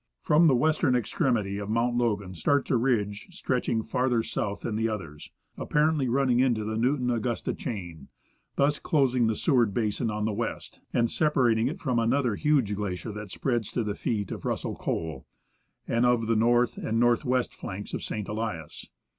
From the western extremity of Mount Logan starts a ridge stretching farther south than the others, apparently running into the Newton Augusta chain, thus closing the Seward basin on the west, and separating it from another huge glacier that spreads to the feet of Russell Col, and of the north and north west flanks of St, Elias.